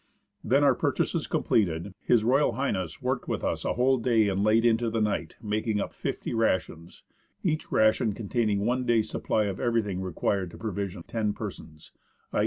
Then, our purchases completed, H.R.H. worked with us a whole day and late into the night, making up fifty rations, each ration containing one day's supply of everything required to provision ten persons, i.